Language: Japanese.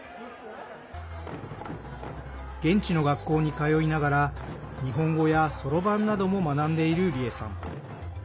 現地の学校に通いながら日本語や、そろばんなども学んでいる梨江さん。